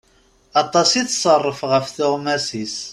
Aṭas i tṣerref ɣef tuɣmas-is.